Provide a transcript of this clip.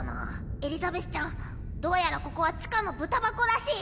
エリザベスちゃんどうやらここは地下のブタバコらしい。